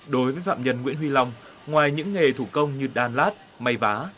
đối với phạm nhân nguyễn huy long ngoài những nghề thủ công như đàn lát máy vá